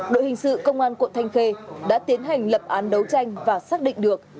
đội hình sự công an quận thanh khê đã tiến hành lập án đấu tranh và xác định được